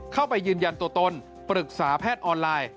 เข้าไปยืนยันตัวตนปรึกษาแพทย์ออนไลน์